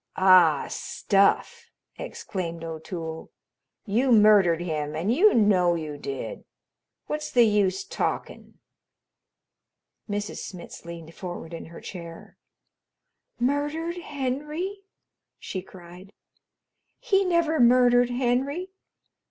"Ah, stuff!" exclaimed O'Toole. "You murdered him and you know you did. What's the use talkin'?" Mrs. Smitz leaned forward in her chair. "Murdered Henry?" she cried. "He never murdered Henry.